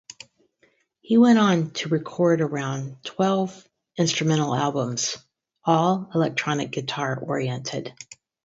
He went on to record around twelve instrumental albums, all electric guitar oriented.